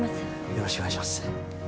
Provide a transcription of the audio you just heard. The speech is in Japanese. よろしくお願いします。